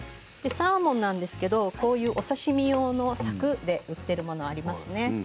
サーモンなんですけれどお刺身用のさくで売っているものがあります。